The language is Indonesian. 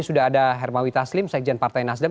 sudah ada hermawi taslim sekjen partai nasdem